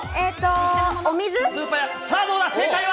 さあ、どうだ、正解は？